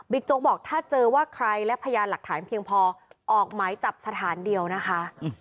โจ๊กบอกถ้าเจอว่าใครและพยานหลักฐานเพียงพอออกหมายจับสถานเดียวนะคะ